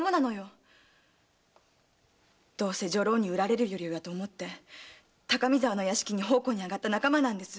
どうせ女郎に売られるよりはと思って高見沢の屋敷に奉公に上がった仲間です。